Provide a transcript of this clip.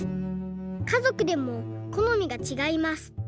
かぞくでもこのみがちがいます。